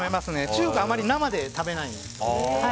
中華はあまり生で食べないので。